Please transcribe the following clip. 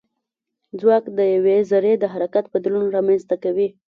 ځواک د یوې ذرې د حرکت بدلون رامنځته کوي.